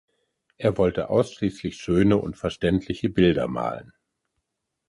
Er wollte ausschließlich schöne und verständliche Bilder malen.